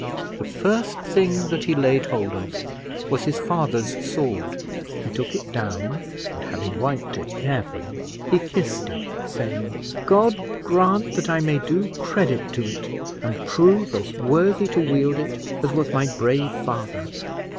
The first thing that he laid hold of was his father's sword; he took it down, and having wiped it carefully, he kissed it, saying, "God grant that I may do credit to it, and prove as worthy to wield it as was my brave father!"